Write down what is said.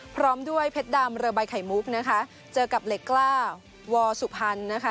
พร้อมด้วยเพชรดำเรือใบไข่มุกนะคะเจอกับเหล็กกล้าวอสุพรรณนะคะ